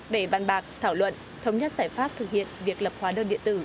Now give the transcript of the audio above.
để bàn bạc thảo luận thống nhất giải pháp thực hiện việc lập hóa đơn điện tử